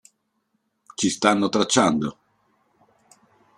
Ci stanno tracciando!